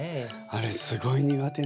あれすごい苦手なの。